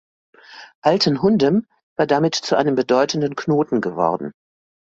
Altenhundem war damit zu einem bedeutenden Knoten geworden.